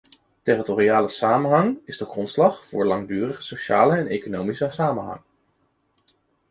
Territoriale samenhang is de grondslag voor langdurige sociale en economische samenhang.